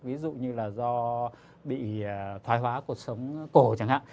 ví dụ như là do bị thoái hóa cuộc sống cổ chẳng hạn